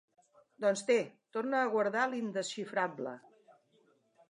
Doncs té, torna a guardar l'indesxifrable.